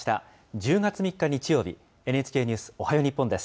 １０月３日日曜日、ＮＨＫニュースおはよう日本です。